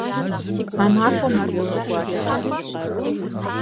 А махуэм ар къыщӀэкӀуари арат.